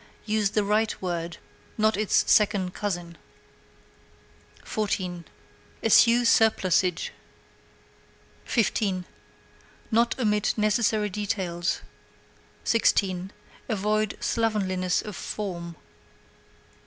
Use the right word, not its second cousin. 14. Eschew surplusage. 15. Not omit necessary details. 16. Avoid slovenliness of form.